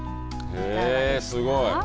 へえ、すごい。